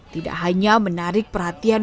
tidak hanya menarik perhatian